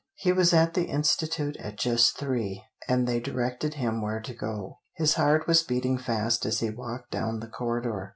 He was at the Institute at just three, and they directed him where to go. His heart was beating fast as he walked down the corridor.